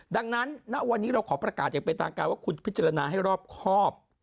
ดังนั้นณวันนี้เราขอประกาศอย่างเป็นทางการว่าคุณพิจารณาให้รอบครอบ